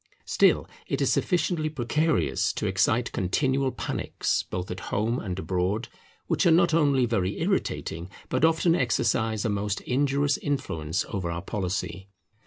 Still it is sufficiently precarious to excite continual panics, both at home and abroad, which are not only very irritating, but often exercise a most injurious influence over our policy.